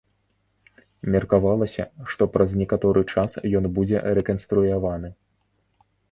Меркавалася, што праз некаторы час ён будзе рэканструяваны.